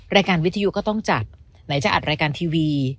รายการวิทยุก็ต้องจัดไหนจะอาจรายการทีวี